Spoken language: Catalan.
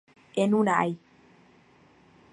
En un ai.